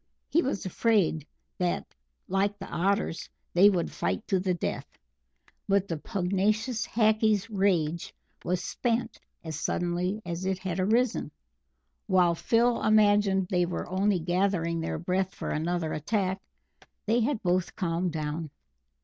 He was afraid that, like the Otters, they would fight to the death. But the pugnacious Hackees' rage was spent as suddenly as it had arisen. While Phil imagined they were only gathering their breath for another attack, they had both calmed down.